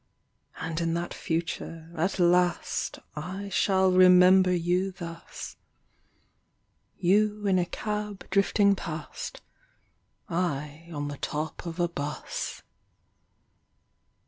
And in that future, at last, I shall remember you thus — You in a cab drifting past, I on the top of a bus.